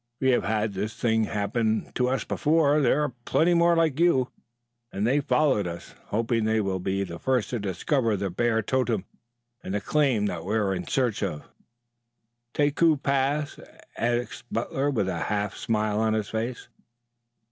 We have had this thing happen to us before. There are plenty more like you, and they've followed us, hoping they will be the first to discover the bear totem and the claim that we are in search of." "Taku Pass?" asked Butler with a half smile on his face.